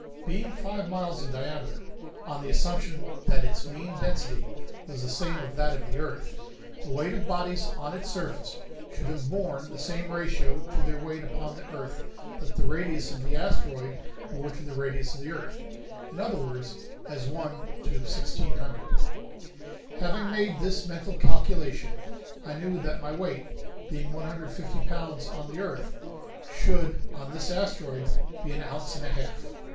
Being five miles in diameter, on the assumption that its mean density was the same as that of the earth, the weight of bodies on its surface should have borne the same ratio to their weight upon the earth that the radius of the asteroid bore to the radius of the earth; in other words, as 1 to 1,600. Having made this mental calculation, I knew that my weight, being 150 pounds on the earth, should on this asteroid be an ounce and a half.